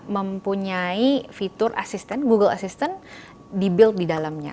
mempunyai fitur google assistant dibuild di dalamnya